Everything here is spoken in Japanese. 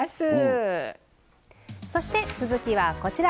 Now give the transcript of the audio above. そして続きはこちら。